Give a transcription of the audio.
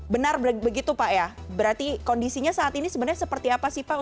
benar begitu pak ya berarti kondisinya saat ini sebenarnya seperti apa sih pak